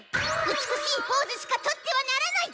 美しいポーズしかとってはならない！